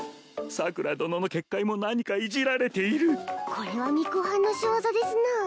桜殿の結界も何かいじられているこれは巫女はんの仕業ですなあ